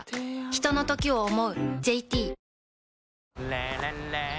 ひとのときを、想う。